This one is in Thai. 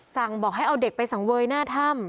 สั่งบอกให้เอาเด็กไปสังเวยหน้าถ้ำ